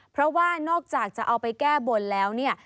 เพราะว่านอกจากจะเอาไปแก้บนแล้วเนี่ย